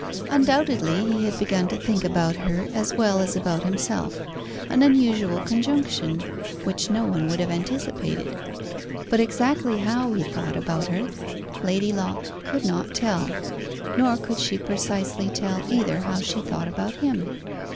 Undoubtedly he had begun to think about her as well as about himself, an unusual conjunction, which no one would have anticipated. But exactly how he thought about her, Lady Locke could not tell; nor could she precisely tell either how she thought about him.